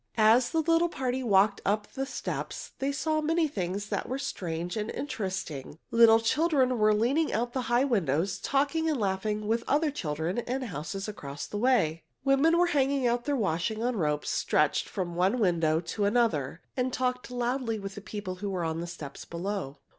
As the little party walked on up the steps they saw many things that were strange and interesting. Little children were leaning out of the high windows, talking and laughing with other children in the houses across the way. Women were hanging out their washing on ropes stretched from one window to another, and talked loudly with people who were on the steps below.